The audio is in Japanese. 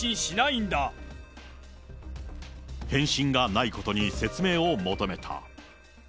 返信がないことに説明を求めた。